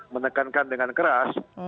menekankan dengan keras